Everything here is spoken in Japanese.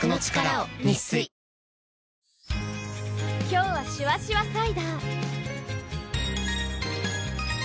今日はシュワシュワサイダー！